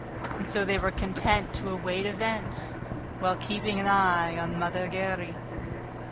And so they were content to await events, while keeping an eye on Mother Giry.